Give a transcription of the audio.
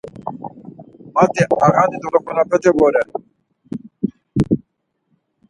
Mati ağani dolokunapete vore.